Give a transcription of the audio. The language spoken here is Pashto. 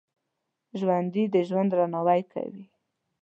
ژوندي د ژوند درناوی کوي